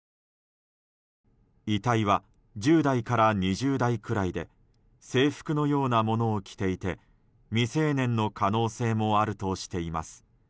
遺体は１０代から２０代くらいで制服のようなものを着ていて未成年の可能性もあるとしています。